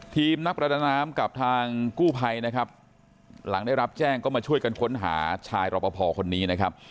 ทีมนักประดาน้ำกับทางกู้ภัยนะครับหลังได้รับแจ้งก็มาช่วยกันค้นหาชายรอปภคนนี้นะครับ